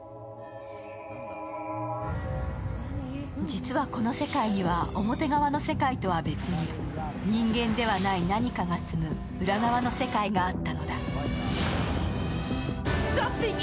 実は、この世界には表側の世界とは別に人間ではない何かが住む裏側の世界があったのだ。